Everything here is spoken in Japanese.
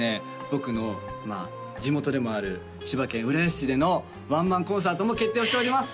僕の地元でもある千葉県浦安市でのワンマンコンサートも決定しております